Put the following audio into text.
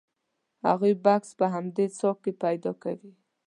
هغوی بکس په همدې څاه کې پیدا کوي.